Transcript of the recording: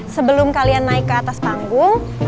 sebelum kalian naik ke atas panggung